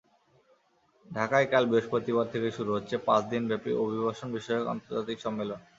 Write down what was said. ঢাকায় কাল বৃহস্পতিবার থেকে শুরু হচ্ছে পাঁচ দিনব্যাপী অভিবাসনবিষয়ক আন্তর্জাতিক সম্মেলন।